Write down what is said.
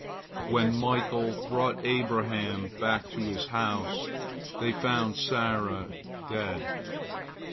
When Michael brought Abraham back to his house, they found Sarah dead.